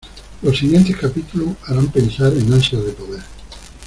Los siguientes capítulos harán pensar en ansias de poder.